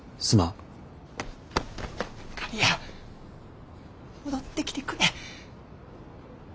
戻ってきてくれ。